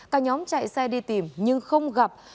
các nhóm chạy xe đi tìm nhưng không gặp